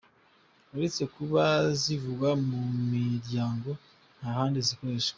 Uretse kuba zivugwa mu miryango, nta handi zikoreshwa.